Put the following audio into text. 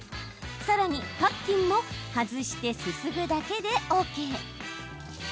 さらに、パッキンも外してすすぐだけでＯＫ。